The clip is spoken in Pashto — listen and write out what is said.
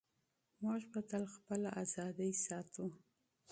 موږ به تل خپله ازادي ساتو.